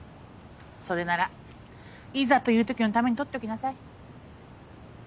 それならいざというときのためにとっておきなさい。